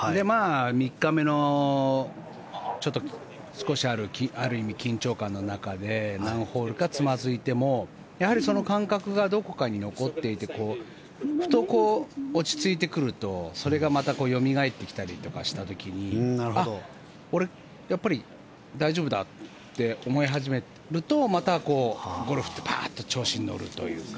３日目の少しある意味、緊張感の中で何ホールかつまずいてもやはり、その感覚がどこかに残っていてふと落ち着いてくるとそれがまたよみがえってきたりとかした時にあっ、俺、やっぱり大丈夫だって思い始めるとまたゴルフってパーッと調子に乗るという。